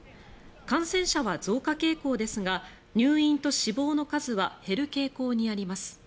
感染者は増加傾向ですが入院と死亡の数は減る傾向にあります。